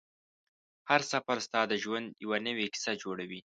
هر سفر ستا د ژوند یوه نوې کیسه جوړوي